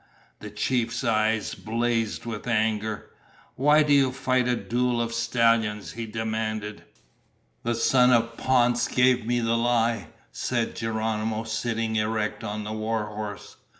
The chief's eyes blazed with anger. "Why do you fight a duel of stallions?" he demanded. "The son of Ponce gave me the lie!" said Geronimo, sitting erect on the war horse.